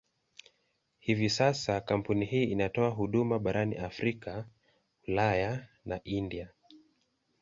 Hivi sasa kampuni hii inatoa huduma barani Afrika, Ulaya na India.